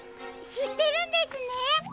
しってるんですね！